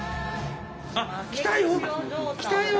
あっ来たよ。